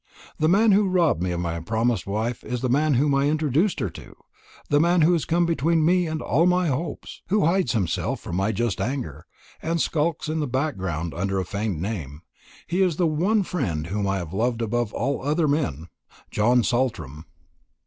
"The man who robbed me of my promised wife is the man whom I introduced to her; the man who has come between me and all my hopes, who hides himself from my just anger, and skulks in the background under a feigned name, is the one friend whom I have loved above all other men John Saltram!"